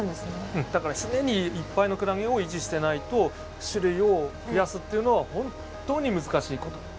うんだから常にいっぱいのクラゲを維持していないと種類を増やすっていうのは本当に難しいこと。